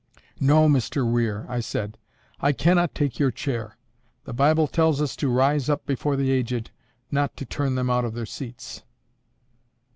"No, Mr Weir," I said, "I cannot take your chair. The Bible tells us to rise up before the aged, not to turn them out of their seats."